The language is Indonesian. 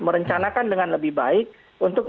merencanakan dengan lebih baik untuk